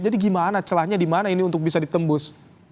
jadi gimana celahnya dimana ini untuk bisa ditembus